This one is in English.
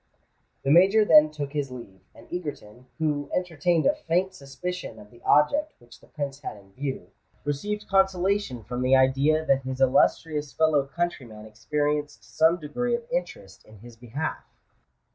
The Major then took his leave; and Egerton—who entertained a faint suspicion of the object which the Prince had in view—received consolation from the idea that his illustrious fellow countryman experienced some degree of interest in his behalf.